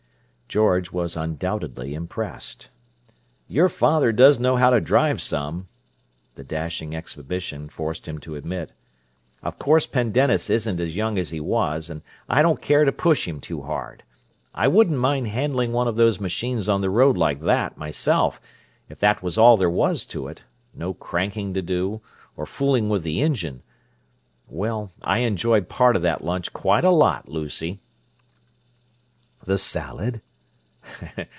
George was undoubtedly impressed. "Your Father does know how to drive some," the dashing exhibition forced him to admit. "Of course Pendennis isn't as young as he was, and I don't care to push him too hard. I wouldn't mind handling one of those machines on the road like that, myself, if that was all there was to it—no cranking to do, or fooling with the engine. Well, I enjoyed part of that lunch quite a lot, Lucy." "The salad?"